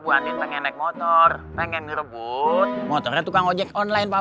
bu andin pengen naik motor pengen dubut motorenya suka ngob tescha online pak